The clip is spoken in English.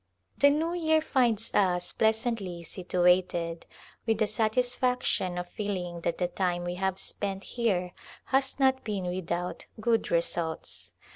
The New Year finds us pleasantly situated, with the satisfaction of feeling that the time we have spent here has not been without good results.